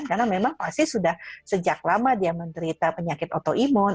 karena memang pasti sudah sejak lama dia menderita penyakit autoimun